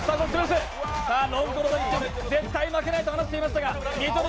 ロングコートダディチーム、絶対負けないと話していましたが見取り